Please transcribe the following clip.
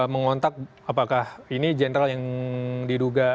mengontak apakah ini general yang diduga